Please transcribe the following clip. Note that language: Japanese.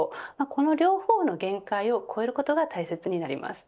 この両方の限界を超えることが大切になります。